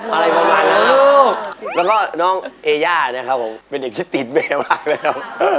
อะไรประมาณนั้นครับแล้วก็น้องเอย่านะครับผมเป็นเด็กที่ติดแม่มากแล้ว